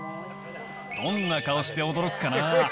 どんな顔して驚くかな。